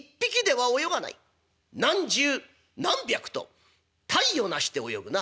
何十何百と隊を成して泳ぐな。